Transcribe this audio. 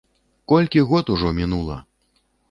Колькі год ужо мінула.